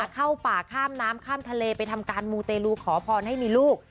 เข้าป่าข้ามน้ำข้ามทะเลไปทำการมูเตลูขอพรให้มีลูก